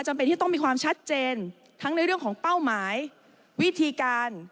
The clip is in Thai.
ที่ต้องมีความชัดเจนทั้งในเรื่องของเป้าหมายวิธีการ